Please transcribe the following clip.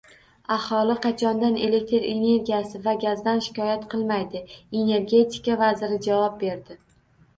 Aholi qachondan elektr energiyasi va gazdan shikoyat qilmaydi? Energetika vaziri javob berdi